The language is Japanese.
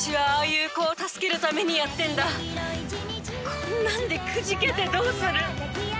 こんなんでくじけてどうする。